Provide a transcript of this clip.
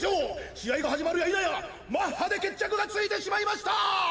試合が始まるやいなやマッハで決着がついてしまいました！！